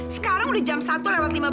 sekarang udah jam satu lewat lima belas